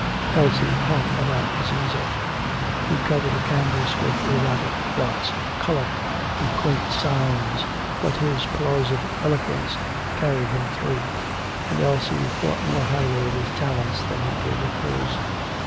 Elsie hung about his easel. He covered a canvas with erratic blots of colour and quaint signs, but his plausive eloquence carried him through, and Elsie thought more highly of his talents than he did of hers.